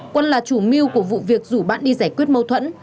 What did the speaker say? quân là chủ mưu của vụ việc rủ bạn đi giải quyết mâu thuẫn